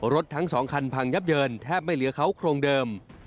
รถทั้งสองคันพังยับเยินแทบไม่เหลือเขาโครงเดิม